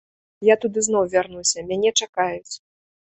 Я туды зноў вярнуся, мяне чакаюць.